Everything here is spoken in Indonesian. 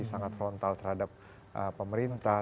sangat frontal terhadap pemerintah